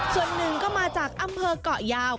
ส่วนหนึ่งก็มาจากอำเภอกเกาะยาว